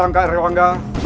ngomong dua hafta